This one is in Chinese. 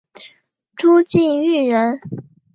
宋敬舆人。